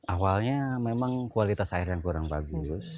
awalnya memang kualitas air yang kurang bagus